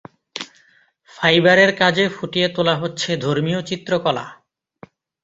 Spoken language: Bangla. ফাইবারের কাজে ফুটিয়ে তোলা হচ্ছে ধর্মীয় চিত্রকলা।